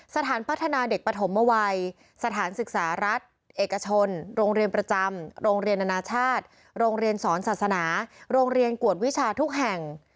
สถานพัฒนาเด็กปฐมวัยสถานศึกษารัฐเอกชนโรงเรียนประจำโรงเรียนอนาชาติโรงเรียนสอนศาสนาโรงเรียนกวดวิชาทุกแห่ง